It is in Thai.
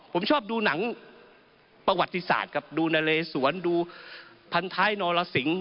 ผมชอบดูหนังประวัติศาสตร์ครับดูนาเลสวรรค์ดูพันธุ์ไทยนอลลาสิงค์